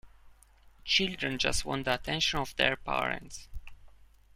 Children just want the attention of their parents.